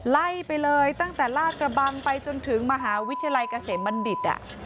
ไล่ไปเลยตั้งแต่ลาดกระบังไปจนถึงมหาวิทยาลัยเกษมบัณฑิต